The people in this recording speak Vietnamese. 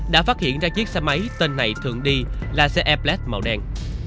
đã phát hiện ra chiếc xe máy tên này thường đi là xe eplex màu đen